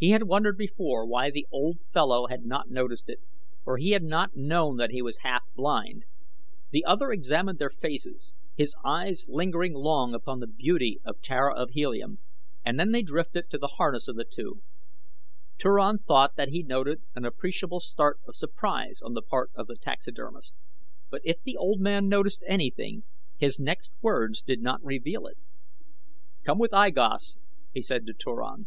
He had wondered before why the old fellow had not noticed it, for he had not known that he was half blind. The other examined their faces, his eyes lingering long upon the beauty of Tara of Helium, and then they drifted to the harness of the two. Turan thought that he noted an appreciable start of surprise on the part of the taxidermist, but if the old man noticed anything his next words did not reveal it. "Come with I Gos," he said to Turan.